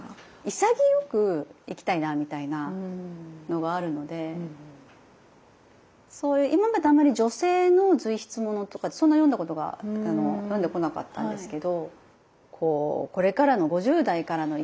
潔く生きたいなみたいなのはあるのでそういう今まであまり女性の随筆ものとかってそんな読んだことが読んでこなかったんですけど。